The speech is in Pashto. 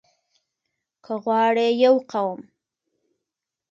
که غواړئ يو قوم